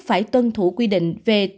phải tuân thủ quy định về thực hành